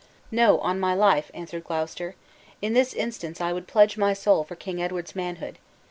"No, on my life," answered Glouceseter; "in this instance I would pledge my soul for King Edward's manhood.